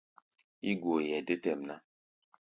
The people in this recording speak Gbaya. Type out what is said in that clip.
Yí-goeʼɛ dé tɛʼm ná.